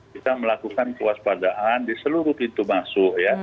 kita melakukan kewaspadaan di seluruh pintu masuk ya